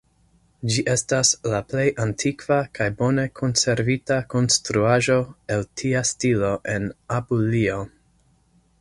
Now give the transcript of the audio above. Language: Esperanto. Ĝi estas la plej antikva kaj bone konservita konstruaĵo el tia stilo en Apulio.